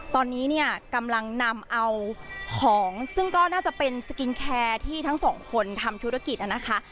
ตอนนี้เนี่ยกำลังนำเอาของซึ่งก็น่าจะเป็นสกินแคร์ที่ทั้งสองคนทำธุรกิจนะคะ